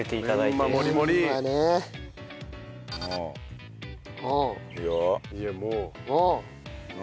いやもう。